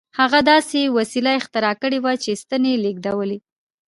هغه داسې وسیله اختراع کړې وه چې ستنې لېږدولې